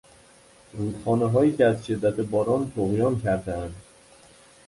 رودخانههایی که از شدت باران طغیان کردهاند